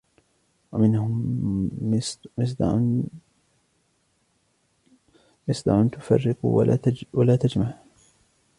وَمِنْهُنَّ مِصْدَعٌ تُفَرِّقُ وَلَا تَجْمَعُ